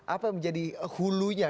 apa yang menjadi hulunya